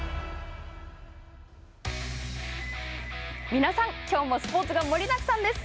皆さん、きょうもスポーツが盛りだくさんです。